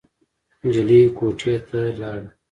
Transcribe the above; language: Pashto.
نجلۍ کوټې ته لاړ.